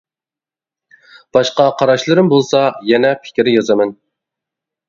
باشقا قاراشلىرىم بولسا يەنە پىكىر يازىمەن.